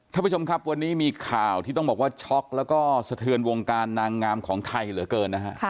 ท่านผู้ชมครับวันนี้มีข่าวที่ต้องบอกว่าช็อกแล้วก็สะเทือนวงการนางงามของไทยเหลือเกินนะฮะ